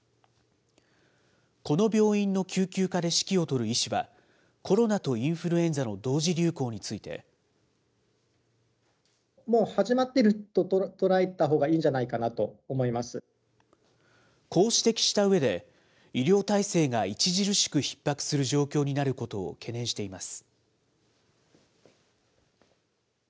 この病院の救急科で指揮を執る医師は、コロナとインフルエンザの同時流行について。こう指摘したうえで、医療体制が著しくひっ迫する状況になることを懸念しています。